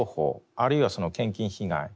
あるいは献金被害